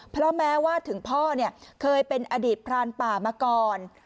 เพราะแม้ว่าถึงพ่อเนี่ยเคยเป็นอดีตพรานป่ามาก่อน